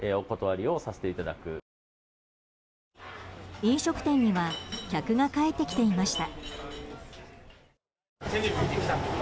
飲食店には客が帰ってきていました。